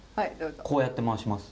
こうやって回します。